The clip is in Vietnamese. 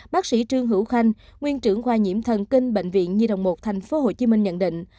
bác sĩ trương hữu khanh nguyên trưởng khoa nhiễm thần kinh bệnh viện nhi đồng một tp hcm nhận định